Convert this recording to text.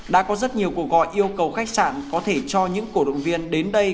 đã có rất nhiều cuộc gọi yêu cầu khách sạn có thể cho những cổ động viên đến đây